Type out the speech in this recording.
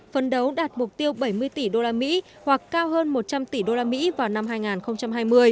phấn đấu đạt mục tiêu bảy mươi tỷ usd hoặc cao hơn một trăm linh tỷ usd vào năm hai nghìn hai mươi